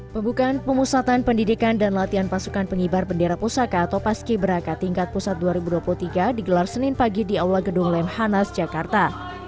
pembukaan pemusatan pendidikan dan latihan pasukan pengibar bendera pusaka atau paski beraka tingkat pusat dua ribu dua puluh tiga digelar senin pagi di aula gedung lemhanas jakarta